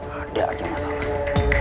ada aja masalah